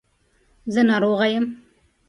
زه ناروغه یم .